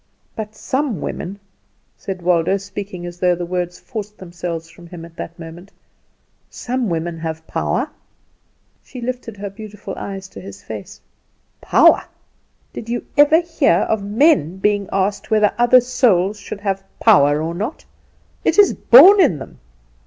"But some women," said Waldo, speaking as though the words forced themselves from him at that moment, "some women have power." She lifted her beautiful eyes to his face. "Power! Did you ever hear of men being asked whether other souls should have power or not? It is born in them.